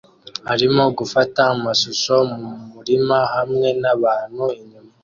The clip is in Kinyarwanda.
arimo gufata amashusho mumurima hamwe nabantu inyuma